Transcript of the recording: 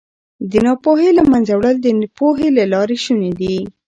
د ناپوهۍ له منځه وړل د پوهې له لارې شوني دي.